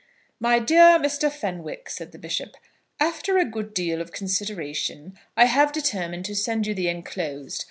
"My dear Mr. Fenwick," said the bishop, after a good deal of consideration, I have determined to send you the enclosed.